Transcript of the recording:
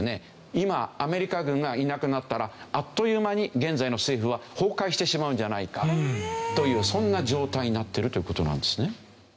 今アメリカ軍がいなくなったらあっという間に現在の政府は崩壊してしまうんじゃないかというそんな状態になってるという事なんですね。